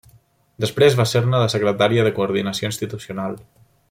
Després va ser-ne la secretària de coordinació institucional.